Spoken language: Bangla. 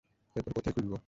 এরপর কোথায় খুঁজব?